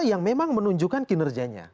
yang memang menunjukkan kinerjanya